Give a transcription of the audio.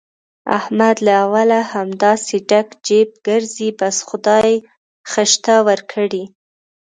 احمد له اوله همداسې ډک جېب ګرځي، بس خدای ښه شته ورکړي.